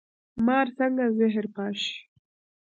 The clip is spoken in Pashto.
مار څنګه زهر پاشي؟